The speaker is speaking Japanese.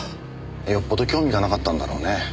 よっぽど興味がなかったんだろうね。